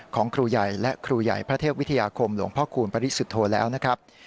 ครูใหญ่และครูใหญ่พระเทพวิทยาคมหลวงพ่อคูณปริสุทธโธแล้วนะครับ